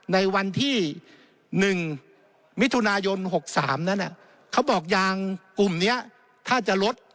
ในวันที่๑มิถุนายน๖๓นั้นเขาบอกยางกลุ่มนี้ถ้าจะลด